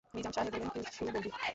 নিজাম সাহেব বললেন, কিছু বলবি?